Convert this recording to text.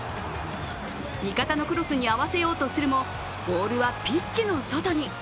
味方のクロスに合わせようとするも、ボールはピッチの外に。